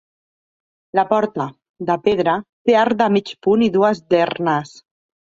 La porta, de pedra, té arc de mig punt i dues dernes.